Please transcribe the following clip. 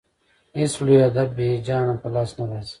هېڅ لوی هدف بې هیجانه په لاس نه راځي.